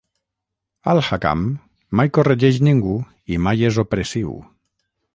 Al-Hakam mai corregeix ningú i mai és opressiu.